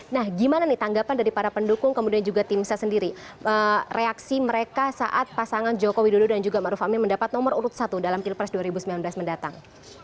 nah gimana nih tanggapan dari para pendukung kemudian juga tim saya sendiri reaksi mereka saat pasangan joko widodo dan juga ⁇ maruf ⁇ amin mendapat nomor urut satu dalam pilpres dua ribu sembilan belas mendatang